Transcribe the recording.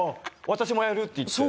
私もやるって言って？